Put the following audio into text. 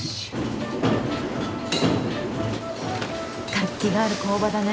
活気がある工場だね。